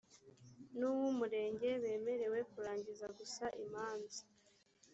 n uw umurenge bemerewe kurangiza gusa imanza